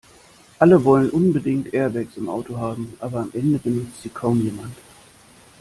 Alle wollen unbedingt Airbags im Auto haben, aber am Ende benutzt sie kaum jemand.